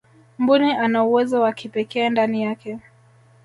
mbuni ana uwezo wa kipekee ndani yake